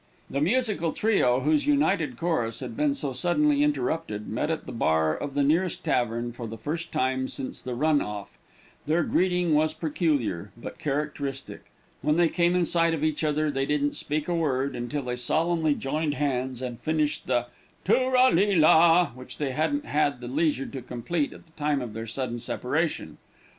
The musical trio, whose united chorus had been so suddenly interrupted, met at the bar of the nearest tavern for the first time since the run off; their greeting was peculiar, but characteristic; when they came in sight of each other, they didn't speak a word, until they solemnly joined hands and finished the "too ral li la," which they hadn't had the leisure to complete at the time of their sudden separation.